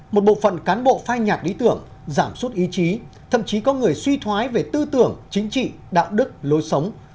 một bộ phận cán bộ phai nhạt lý tưởng giảm suốt ý chí thậm chí có người suy thoái về tư tưởng chính trị đạo đức lối sống